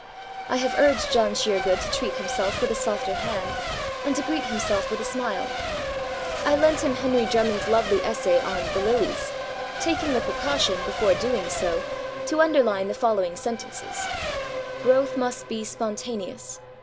I have urged John Sheergood to treat himself with a softer hand, and to greet himself with a smile. I lent him Henry Drummond's lovely essay on The Lilies, taking the precaution, before doing so, to underline the following sentences: 'Growth must be spontaneous.